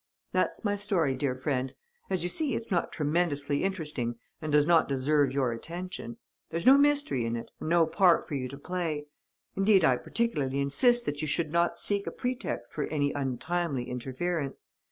"That's my story, dear friend. As you see, it's not tremendously interesting and does not deserve your attention. There's no mystery in it and no part for you to play. Indeed, I particularly insist that you should not seek a pretext for any untimely interference.